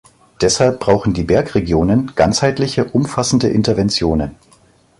Deshalb brauchen die Bergregionen ganzheitliche, umfassende Interventionen.